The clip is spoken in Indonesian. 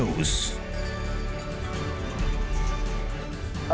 ada tadi peristiwa